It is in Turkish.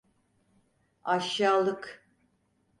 Aşağılık!